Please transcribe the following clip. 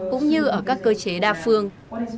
cũng như ở các cơ chế đa phương